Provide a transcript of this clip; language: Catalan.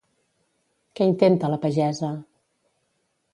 Què intenta la pagesa?